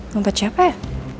dompet siapa ya